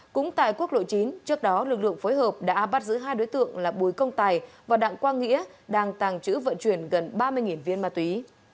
cũng tại quốc lộ chín trước đó lực lượng phối hợp đã bắt giữ hai đối tượng là bùi công tài và đặng quang nghĩa đang tàng trữ vận chuyển gần ba mươi viên ma túy